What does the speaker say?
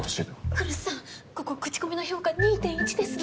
来栖さんここ口コミの評価２．１です。